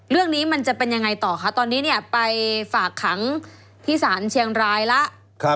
เรื่องนี้มันจะเป็นยังไงต่อคะตอนนี้เนี่ยไปฝากขังที่สารเชียงรายละ